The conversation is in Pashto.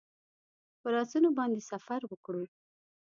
پر آسونو باندې سفر وکړو.